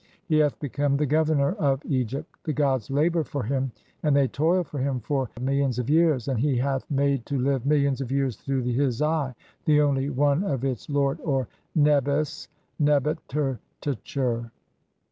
He "hath become the Governor of Egypt. The gods labour for him, "and they toil for him for (55) millions of years ; and he hath "made to live millions of years through his Eye, the only One "of its Lord (or Neb s), Nebt er tcher."